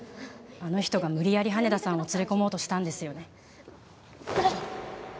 あの人が無理やり羽田さんを連れ込もうとしたんですよね？